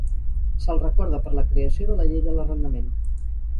Se'l recorda per la creació de la Llei de l'Arrendament.